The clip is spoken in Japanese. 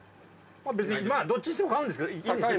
まあ別にどっちにしても買うんですけど。